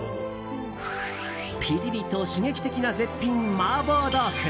ピリリと刺激的な絶品麻婆豆腐。